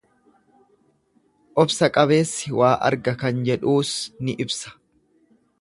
Obsa qabeessi waa arga kan jedhuus ni ibsa.